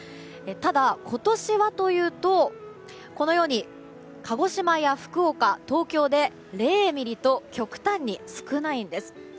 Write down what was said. ただ、今年はというと鹿児島や福岡、東京で０ミリと極端に少ないんです。